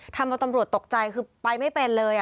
ทำเอาตำรวจตกใจคือไปไม่เป็นเลย